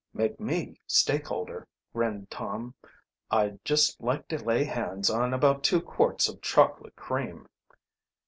"Make me stakeholder," grinned Tom. "I'd just like to lay hands on about two quarts of chocolate cream."